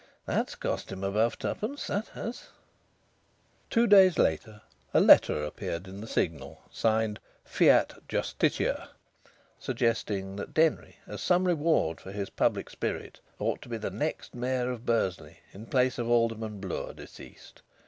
That's cost him above twopence, that has!" Two days later a letter appeared in the Signal (signed "Fiat Justitia"), suggesting that Denry, as some reward for his public spirit, ought to be the next mayor of Bursley, in place of Alderman Bloor deceased.